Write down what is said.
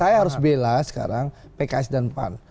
saya harus bela sekarang pks dan pan